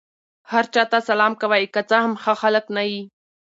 هر چا ته سلام کوئ! که څه هم ښه خلک نه يي.